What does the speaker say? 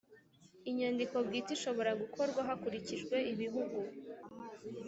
inyandiko bwite ishobora gukorwa hakurikijwe ibihugu